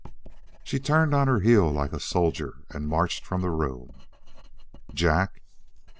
She turned on her heel like a soldier and marched from the room. "Jack."